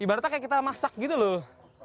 ibaratnya kayak kita masak gitu loh